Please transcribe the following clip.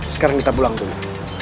sekarang kita pulang dulu